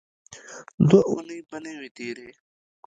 دوه اوونۍ به نه وې تېرې.